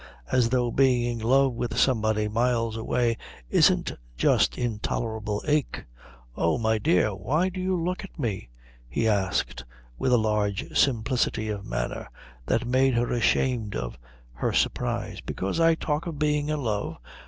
As though being in love with somebody miles away isn't just intolerable ache. Oh, my dear, why do you look at me?" he asked with a large simplicity of manner that made her ashamed of her surprise; "because I talk of being in love?